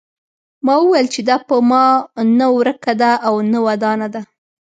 ما وویل چې دا په ما نه ورکه ده او نه ودانه ده.